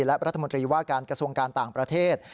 และรัฐมนตรีว่าการกระทรวงการต่างประเทศ